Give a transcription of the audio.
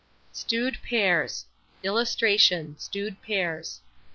STEWED PEARS. [Illustration: STEWED PEARS.